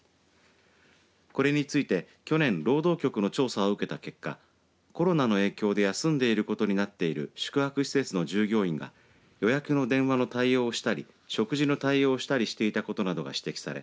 これについて去年労働局の調査を受けた結果コロナの影響で休んでいることになっている宿泊施設の従業員が予約の電話の対応をしたり食事の対応をしたりしていたことなどが指摘され